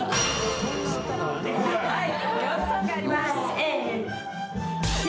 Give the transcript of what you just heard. はい。